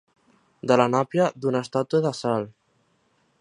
De la nàpia d'una estàtua de sal.